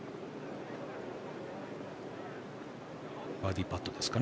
バーディーパットですか。